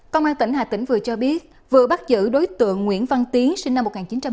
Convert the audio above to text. công an tỉnh hà tĩnh vừa cho biết vừa bắt giữ đối tượng nguyễn văn tiến sinh năm một nghìn chín trăm tám mươi